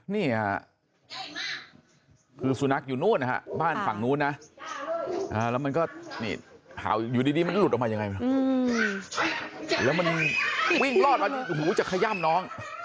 นี่ค่ะคือสุนัขอยู่นู้นนะฮะบ้านฝั่งนู้นนะแล้วมันก็นี่อยู่ดีมันหลุดออกมายังไงแล้วมันวิ่งรอดมาจะขย่ำน้อง